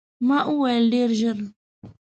ما وویل، ډېر ژر.